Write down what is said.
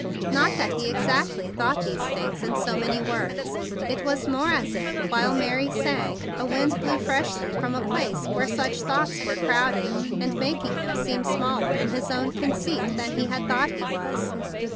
Not that he exactly thought these things in so many words. It was more as if while Mary sang a wind blew freshly from a place where such thoughts were crowding, 62 THE BIG BLUE SOLDIER and made him seem smaller in his own conceit than he had thought he was.